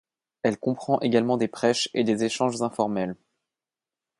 Elle comprend également des prêches et des échanges informels.